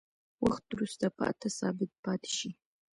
وخت وروسته په اته ثابت پاتې شي.